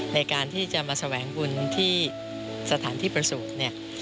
ในการที่จะมาแสวงบุญที่สถานที่ประสูจน์เนี่ย